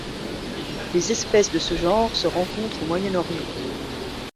Les espèces de ce genre se rencontrent au Moyen-Orient.